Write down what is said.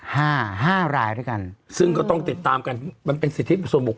ห้าห้ารายด้วยกันซึ่งก็ต้องติดตามกันมันเป็นสิทธิส่วนบุค